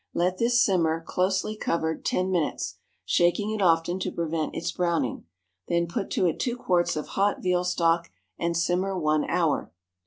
Let this simmer, closely covered, ten minutes, shaking it often to prevent its browning; then put to it two quarts of hot veal stock, and simmer one hour.